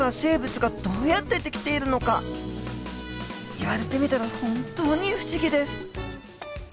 言われてみたら本当に不思議です。